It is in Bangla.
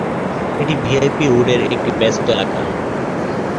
এটি ভিআইপি রোড-এর একটি ব্যস্ত এলাকা।